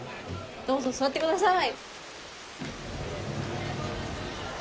どうぞ座ってください。